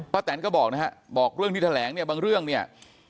แตนก็บอกนะฮะบอกเรื่องที่แถลงเนี่ยบางเรื่องเนี่ย